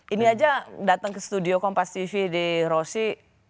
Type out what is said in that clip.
ini aja datang ke studio kompas tv di rosi